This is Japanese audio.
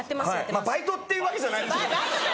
バイトっていうわけじゃないですけど。